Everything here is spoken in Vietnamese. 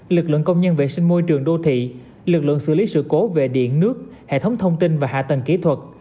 lực lượng công nhân vệ sinh môi trường đô thị lực lượng xử lý sự cố về điện nước hệ thống thông tin và hạ tầng kỹ thuật